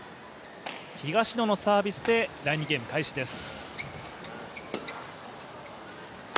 東野のサービスで第２ゲーム開始です。